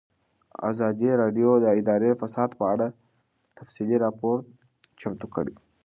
ازادي راډیو د اداري فساد په اړه تفصیلي راپور چمتو کړی.